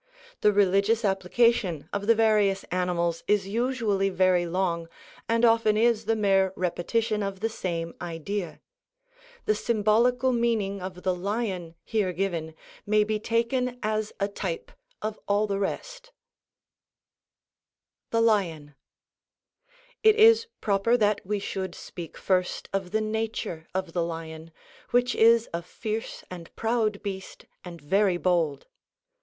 The religious application of the various animals is usually very long, and often is the mere repetition of the same idea. The symbolical meaning of the lion here given may be taken as a type of all the rest. [Illustration: Signature: L. OSCAR KUHNS] THE LION It is proper that we should first speak of the nature of the lion, which is a fierce and proud beast and very bold.